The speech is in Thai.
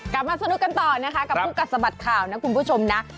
กลับมาสนุกกันต่อนะคะกับคู่กัดสะบัดข่าวนะคุณผู้ชมนะ